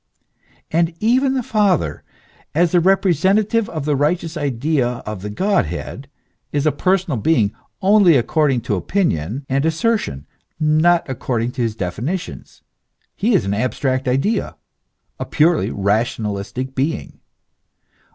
And even the Father, as the repre sentative of the rigorous idea of the Godhead, is a personal being only according to opinion and assertion, not according to his definitions : he is an abstract idea, a purely rationalistic being.